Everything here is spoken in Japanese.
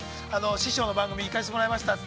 師匠の番組行かせてもらいましたって。